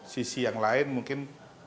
sisi yang lain mungkin